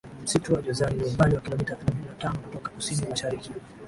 Msitu wa Jozani ni umbali wa kilometa thelathini na tano kutoka kusini mashariki